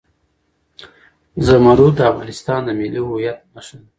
زمرد د افغانستان د ملي هویت نښه ده.